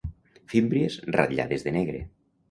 Fímbries ratllades de negre.